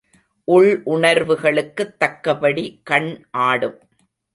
உள் உணர்வுகளுக்குத் தக்கபடி கண் ஆடும்.